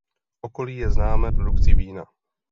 Okolí je známé produkcí vína.